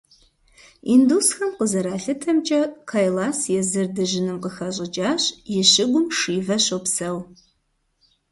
Индусхэм къызэралъытэмкӀэ, Кайлас езыр дыжьыным къыхэщӀыкӀащ, и щыгум Шивэ щопсэу.